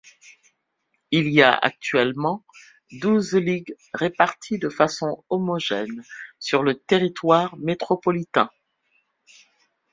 Il y a actuellement douze ligues réparties de façon homogène sur le territoire métropolitain.